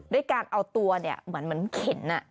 ด้วยการเอาตัวเนี่ยเหมือนเหมือนเข็นอะ